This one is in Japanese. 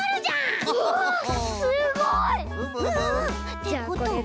ってことは。